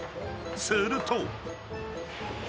［すると］